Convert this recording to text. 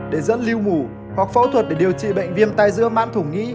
để dẫn lưu mủ hoặc phẫu thuật để điều trị bệnh viêm tai dữa mãn thủ nghĩ